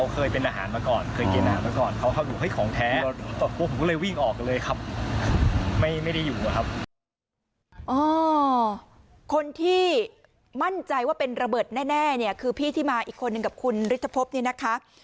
คนที่มั่นใจว่าเป็นระเบิดแน่เนี่ยคือพี่ที่มาอีกคนนึงกับคุณฤทธพบเนี่ยนะคะ